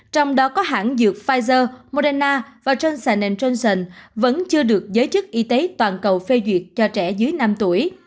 trong đó có hãng dược pfizer moderna và johnson johnson vẫn chưa được giới chức y tế toàn cầu phê duyệt cho trẻ dưới năm tuổi